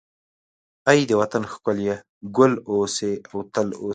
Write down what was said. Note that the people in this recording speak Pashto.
ای د وطن ښکليه، ګل اوسې او تل اوسې